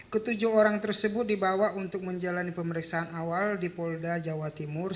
ketujuh orang tersebut dibawa untuk menjalani pemeriksaan awal di polda jawa timur